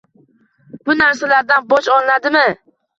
Bu narsalardan boj olinadimi?